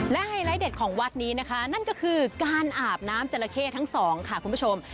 และไฮไลท์เด็ดของวัดนี้นะคะนั่นก็คือการอาบน้ำจราเข้ทั้งสองค่ะคุณผู้ชม